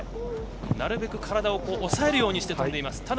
なるべく体を押さえるようにとんでいます。